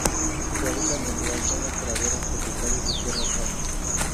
Su hábitat natural son las praderas tropicales de tierras bajas.